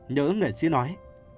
nhớ nghệ sĩ nói